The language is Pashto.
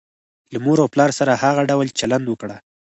له مور او پلار سره هغه ډول چلند وکړه.